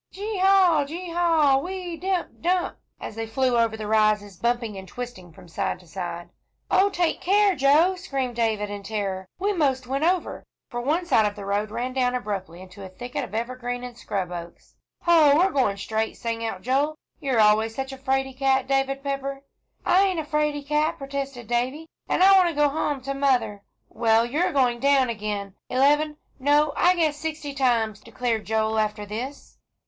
"Gee haw gee haw whee dimp dump," as they flew over the rises, bumping and twisting from side to side. [Illustration: "GEE HAW GEE HAW WHEE DIMP DUMP"] "Oh, take care, Joe," screamed David, in terror, "we most went over," for on one side the road ran down abruptly into a thicket of evergreen and scrub oaks. "Hoh, we're going straight!" sang out Joel, "you're always such a 'fraid cat, David Pepper." "I ain't a 'fraid cat," protested Davie, "and I want to go home to mother." "Well, you are going down again, eleven, no, I guess sixty times," declared Joel, "after this.